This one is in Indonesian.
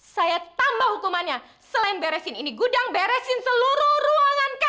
saya tambah hukumannya selain beresin ini gudang beresin seluruh ruangan kami